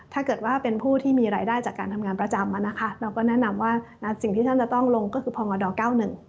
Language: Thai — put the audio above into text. ถ้าเกิดว่าเป็นผู้ที่มีรายได้จากการทำงานประจำมานะคะเราก็แนะนำว่าสิ่งที่ท่านจะต้องลงก็คือพมดเก้าหนึ่ง